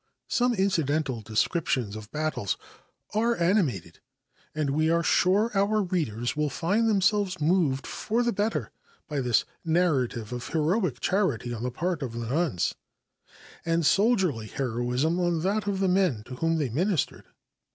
Some incidental descriptions of battles are animated, and we are sure our readers will find themselves moved for the better by this narrative of heroic charity on the part of the nuns, and soldierly heroism on that of the men to whom they ministered.